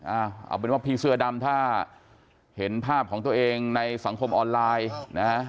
เอาเป็นว่าพี่เสื้อดำถ้าเห็นภาพของตัวเองในสังคมออนไลน์นะฮะ